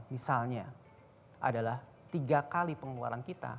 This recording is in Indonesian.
misalnya adalah tiga kali pengeluaran kita